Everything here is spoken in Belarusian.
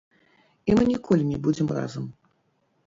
І мы ніколі не будзем разам.